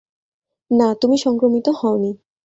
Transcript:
না, তুমি সংক্রমিত হওনি।